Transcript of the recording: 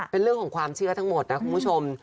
เป็นเรื่องของความเชื่อทั้งหมดนะคุณผู้ชม